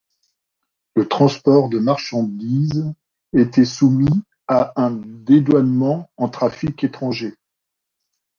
Le transport de marchandises était soumis à un dédouanement en trafic étranger.